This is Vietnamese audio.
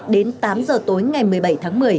đến tám giờ tối ngày một mươi bảy tháng một mươi